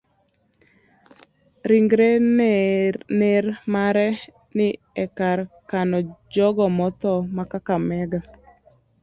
Ringre ner mare ni e kar kano jogo motho ma kakamega.